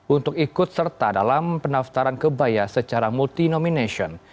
untuk ikut serta dalam pendaftaran kebaya secara multi nomination